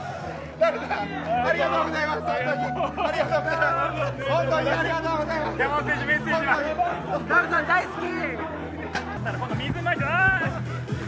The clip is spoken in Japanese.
ダル選手大好き！